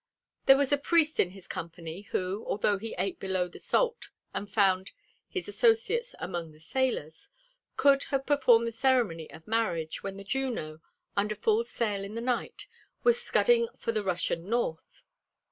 There was a priest in his company who, although he ate below the salt and found his associates among the sailors, could have performed the ceremony of marriage when the Juno, under full sail in the night, was scudding for the Russian north.